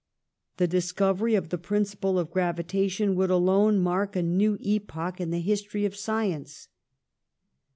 The discovery of the principle of gravitation would alone mark a new epoch in the history of science.